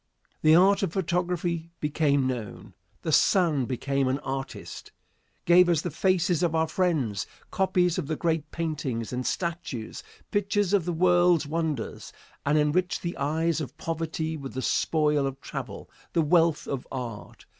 The art of photography became known, the sun became an artist, gave us the faces of our friends, copies of the great paintings and statues, pictures of the world's wonders, and enriched the eyes of poverty with the spoil of travel, the wealth of art.